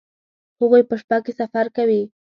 هغوی په شپه کې سفر کوي